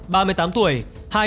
ba mươi tám đồng phạm